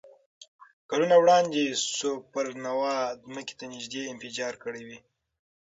کلونه وړاندې سوپرنووا ځمکې ته نږدې انفجار کړی وي.